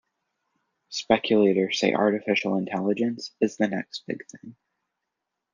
Speculators say artificial intelligence is the next big thing.